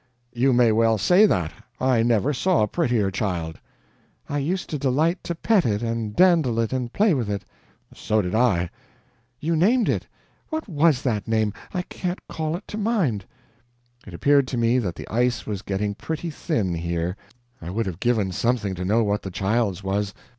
"You may well say that. I never saw a prettier child." "I used to delight to pet it and dandle it and play with it." "So did I." "You named it. What WAS that name? I can't call it to mind." It appeared to me that the ice was getting pretty thin, here. I would have given something to know what the child's was.